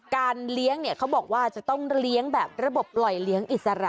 การเลี้ยงเนี่ยเขาบอกว่าจะต้องเลี้ยงแบบระบบปล่อยเลี้ยงอิสระ